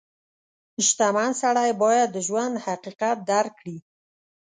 • شتمن سړی باید د ژوند حقیقت درک کړي.